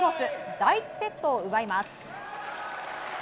第１セットを奪います。